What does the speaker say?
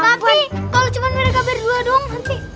tapi kalau cuma mereka berdua dong nanti